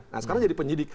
nah sekarang jadi penyidik